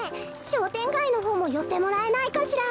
しょうてんがいのほうもよってもらえないかしら。